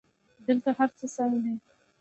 دلته هرڅه سم دي